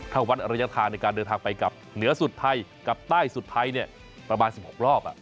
ถ้าวัดระยะทางในการเดินทางไปกับเหนือสุดไทยกับใต้สุดไทยเนี่ยประมาณ๑๖รอบ